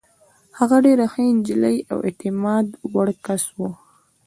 هغه ډېره ښه نجلۍ او د اعتماد وړ کس وه.